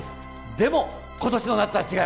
でも今年の夏は違います。